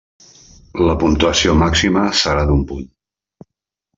La puntuació màxima serà d'un punt.